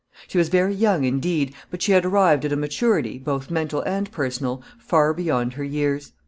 She was very young indeed, but she had arrived at a maturity, both mental and personal, far beyond her years.